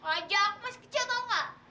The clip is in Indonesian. aja aku masih kecil tau gak